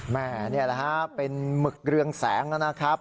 นี่แหละฮะเป็นหมึกเรืองแสงนะครับ